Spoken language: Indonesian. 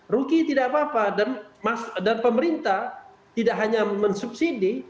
ruki tidak apa apa dan pemerintah tidak hanya mensubsidi